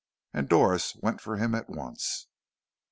And Doris went for him at once.